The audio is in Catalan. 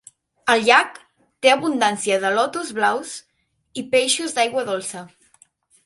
El llac té abundància de lotus blaus i peixos d'aigua dolça.